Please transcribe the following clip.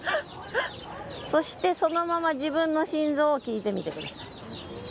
そしてそのまま自分の心臓を聞いてみてください。